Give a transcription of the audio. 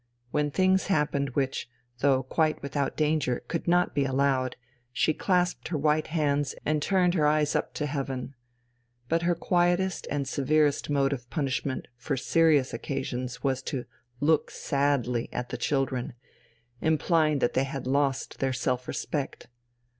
When things happened which, though quite without danger, could not be allowed, she clasped her white hands and turned her eyes up to heaven. But her quietest and severest mode of punishment for serious occasions was to "look sadly" at the children implying that they had lost their self respect.